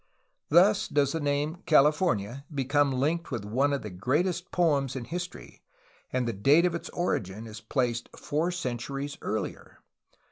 Thus does the name "Cali fornia'' become linked with one of the greatest poems in his tory, and the date of its origin is placed four centuries earlier.